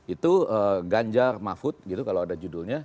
itu ganjar mahfud gitu kalau ada judulnya